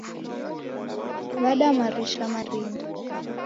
Wada marisha marinda